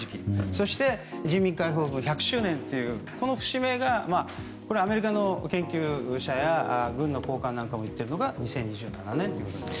そして人民解放軍１００周年というこの節目がアメリカの研究者や軍の高官なんかも言っているのが２０２７年です。